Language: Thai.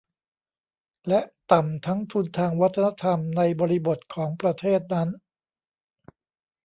และต่ำทั้งทุนทางวัฒนธรรมในบริบทของประเทศนั้น